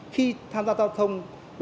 khi tham gia giao thông